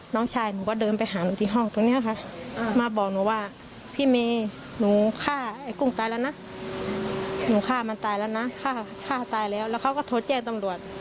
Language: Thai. น้องชายหนูก็เดินไปหาหนูที่ห้องตรงนี้ค่ะมาบอกหนูว่าพี่เมย์หนูฆ่าไอ้กุ้งตายแล้วนะหนูฆ่ามันตายแล้วนะฆ่าตายแล้วแล้วเขาก็โทรแจ้งตำรวจ